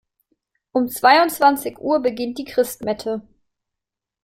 Um zweiundzwanzig Uhr beginnt die Christmette.